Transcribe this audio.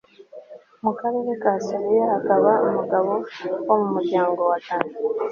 mu karere ka soreya hakaba umugabo wo mu muryango wa dani